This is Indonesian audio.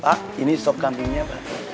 pak ini stok kambingnya pak